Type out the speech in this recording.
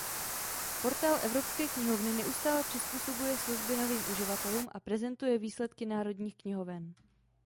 Portál Evropské knihovny neustále přizpůsobuje služby novým uživatelům a prezentuje výsledky národních knihoven.